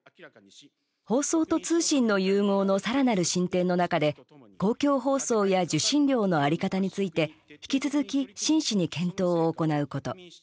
放送と通信の融合のさらなる進展の中で公共放送や受信料の在り方について引き続き真摯に検討を行うこと。